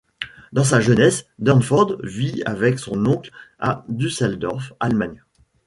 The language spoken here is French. Dans sa jeunesse, Durnford vit avec son oncle à Düsseldorf, Allemagne.